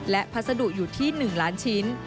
และพัสดุอยู่ที่๑ล้านชิ้น